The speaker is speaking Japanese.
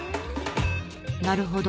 「なるほど。